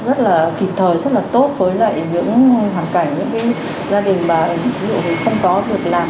rất là kịp thời rất là tốt với lại những hoàn cảnh gia đình mà không có việc làm